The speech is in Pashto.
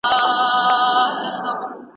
خیر محمد ته د کباب بوی خپل ماشومتوب وریاد کړ.